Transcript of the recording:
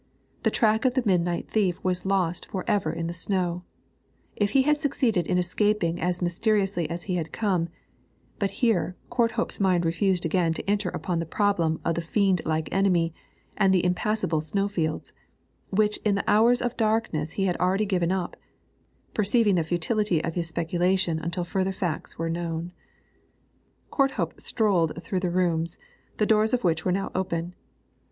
The track of the midnight thief was lost for ever in the snow; if he had succeeded in escaping as mysteriously as he had come but here Courthope's mind refused again to enter upon the problem of the fiend like enemy and the impassable snowfields, which in the hours of darkness he had already given up, perceiving the futility of his speculation until further facts were known. Courthope strolled through the rooms, the doors of which were now open.